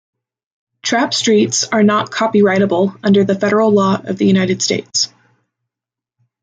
Trap streets are not copyrightable under the federal law of the United States.